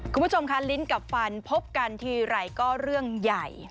คุณผู้ชมค่ะลิ้นกับฟันพบกันทีไรก็เรื่องใหญ่